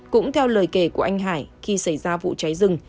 cũng theo lời kể của anh hải khi xảy ra vụ cháy rừng